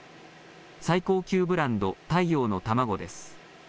最高級ブランド、太陽のタマゴです。